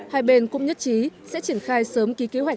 hai bên cũng nhất trí sẽ triển khai sớm ký kế hoạch